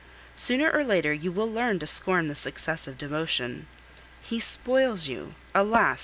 Sooner or later, you will learn to scorn this excessive devotion. He spoils you, alas!